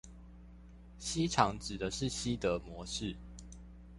西廠指的是西德模式